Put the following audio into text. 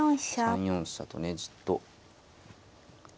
３四飛車とねじっと。